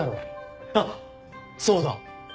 あっそうだ！